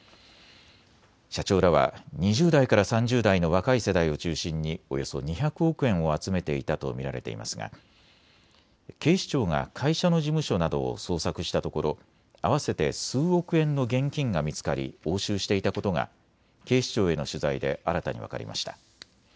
社長らは２０代から３０代の若い世代を中心におよそ２００億円を集めていたと見られていますが警視庁が会社の事務所などを捜索したところ合わせて数億円の現金が見つかり押収していたことが警視庁への取材で新たに分かりました。